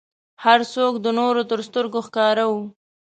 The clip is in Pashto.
هر څوک د نورو تر سترګو ښکاره و.